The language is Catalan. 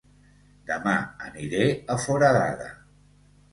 Dema aniré a Foradada